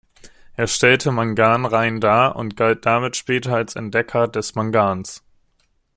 Er stellte Mangan rein dar und galt damit später als Entdecker des Mangans.